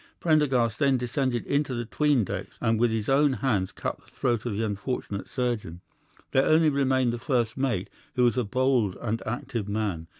Prendergast then descended into the 'tween decks and with his own hands cut the throat of the unfortunate surgeon. There only remained the first mate, who was a bold and active man.